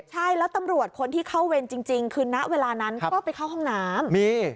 ใช่แล้วตำรวจคนที่เข้าเวรจริงคือณเวลานั้นก็ไปเข้าห้องน้ำ